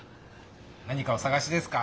何かおさがしですか？